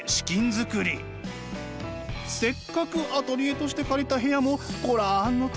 せっかくアトリエとして借りた部屋も御覧のとおり。